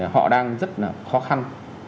họ đang rất là khó khăn